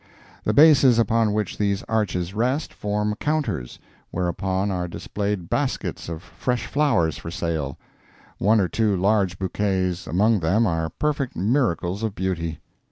The bases upon which these arches rest, form counters, whereon are displayed baskets of fresh flowers for sale; one or two larger bouquets among them are perfect miracles of beauty.